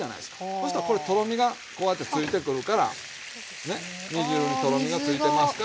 そしたらこれとろみがこうやってついてくるからね煮汁にとろみがついてますから。